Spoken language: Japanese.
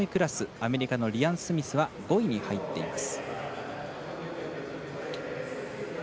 アメリカのリアン・スミスは５位に入っています。